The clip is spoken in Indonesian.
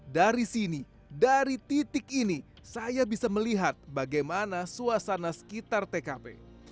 dari sini dari titik ini saya bisa melihat bagaimana suasana sekitar tkp